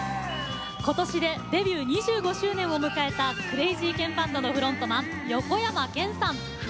今年でデビュー２５周年を迎えたクレイジーケンバンドのフロントマン、横山剣さん。